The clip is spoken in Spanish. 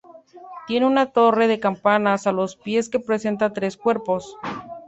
Tiene una torre de campanas a los pies que presenta tres cuerpos.